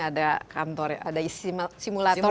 ada kantor ada simulator